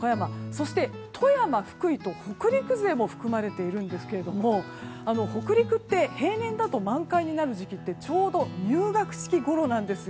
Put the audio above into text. そして富山、福井と北陸勢も含まれているんですが北陸って、平年だと満開になる時期はちょうど入学式ごろなんですよ。